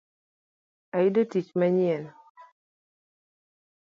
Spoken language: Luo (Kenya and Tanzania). Ayudo tiich manyien